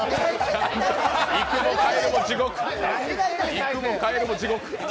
行くも帰るも地獄。